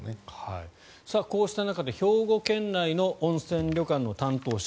さあ、こうした中で兵庫県内の温泉旅館の担当者